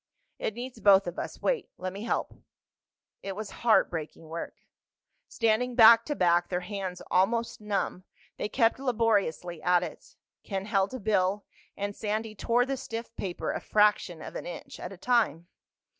"It needs both of us. Wait—let me help." It was heartbreaking work. Standing back to back, their hands almost numb, they kept laboriously at it. Ken held a bill and Sandy tore the stiff paper a fraction of an inch at a time.